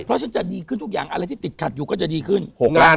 เพราะจะดีขนาดที่ติดขัดอยู่ก็จะดีขึ้น